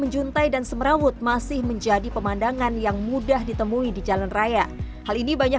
menjuntai dan semerawut masih menjadi pemandangan yang mudah ditemui di jalan raya hal ini banyak